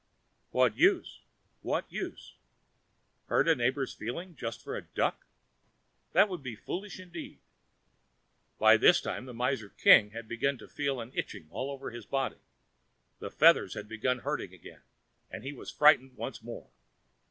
"What use, what use? Hurt a neighbour's feelings just for a duck? That would be foolish indeed." By this time the Miser King had begun to feel an itching all over his body. The feathers had begun hurting again, and he was frightened once more.